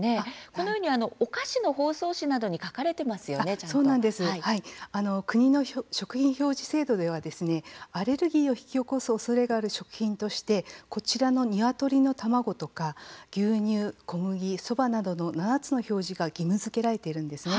このようにお菓子の包装紙などに国の食品表示制度ではアレルギーを引き起こすおそれがある食品としてこちらのにわとりの卵とか牛乳小麦、そばなどの７つの表示が義務づけられているんですね。